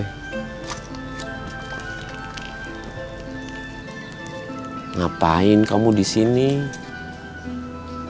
kenapa kamu sedang sedang di sini sekarang